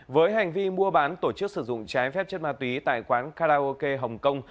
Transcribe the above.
với hành vi mua bán tổ chức sử dụng trái phép chất ma túy tại quán karaoke hồng kông